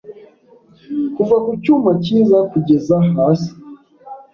Kuva ku cyuma cyiza kugeza hasi